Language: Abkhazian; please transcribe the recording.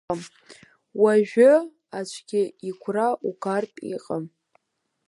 Уажәы аӡәгьы игәра угартә иҟам.